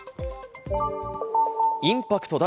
インパクト大！